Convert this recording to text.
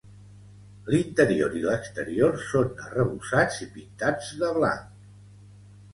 L'interior i l'exterior són arrebossats i pintats de blanc.